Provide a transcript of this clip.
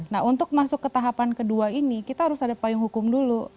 nah untuk masuk ke tahapan kedua ini kita harus ada payung hukum dulu